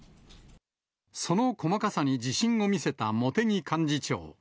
その細かさに自信を見せた茂木幹事長。